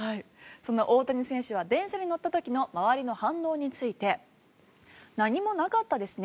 その大谷選手は電車に乗った時の周りの反応について何もなかったですね